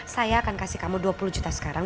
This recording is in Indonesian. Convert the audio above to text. saya akan kasih kamu dua puluh juta sekarang